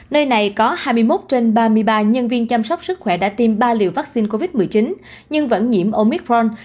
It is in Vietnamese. nơi này có hai mươi một trên ba mươi ba nhân viên chăm sóc sức khỏe đã tiêm ba liều vaccine covid một mươi chín nhưng vẫn nhiễm omicron